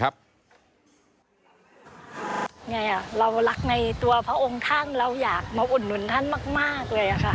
เราอยากมาอุดหนุนท่านมากเลย